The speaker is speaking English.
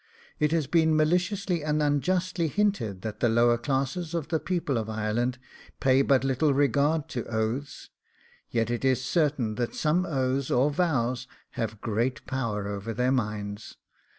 It has been maliciously and unjustly hinted that the lower classes of the people of Ireland pay but little regard to oaths; yet it is certain that some oaths or vows have great power over their minds.